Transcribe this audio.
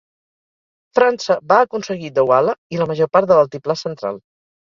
França va aconseguir Douala i la major part de l'altiplà central.